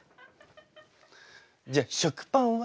じゃあ食パンは？